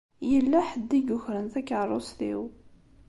Yella ḥedd i yukren takeṛṛust-iw.